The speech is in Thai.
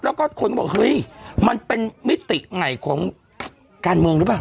แล้วก็คนก็บอกเฮ้ยมันเป็นมิติใหม่ของการเมืองหรือเปล่า